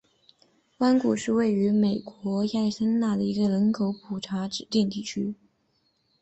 弯谷是位于美国亚利桑那州希拉县的一个人口普查指定地区。